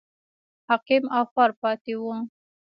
عقیم او خوار پاتې و.